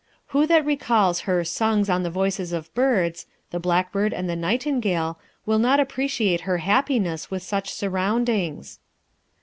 Who that recalls her Songs on the Voices of Birds, the blackbird, and the nightingale, will not appreciate her happiness with such surroundings?